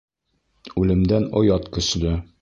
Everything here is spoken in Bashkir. Үлемдән оят көслө.